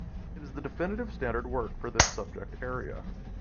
It is the definitive standard work for this subject area.